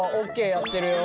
ＯＫやってるよ